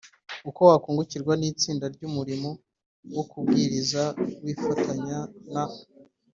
Uko wakungukirwa n itsinda ry umurimo wo kubwiriza wifatanya na